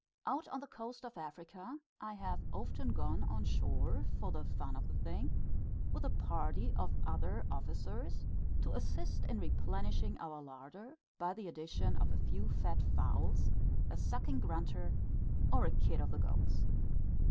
Out on the coast of Africa, I have often gone on shore for the fun of the thing with a party of other officers, to assist in replenishing our larder by the addition of a few fat fowls, a sucking grunter, or a kid of the goats.